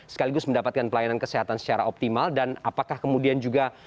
sekaligus mendapatkan pelayanan kesehatan secara optimal dan apakah kemudian juga